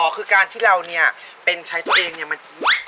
คือการที่เราเนี่ยเป็นใช้ตัวเองเนี่ยมัน